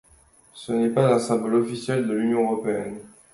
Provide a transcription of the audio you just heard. Ce n'est pas un symbole officiel de l'Union européenne.